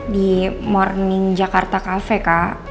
di morning jakarta kafe kak